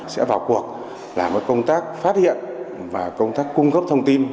sẽ vào cuộc làm công tác phát hiện và công tác cung cấp thông tin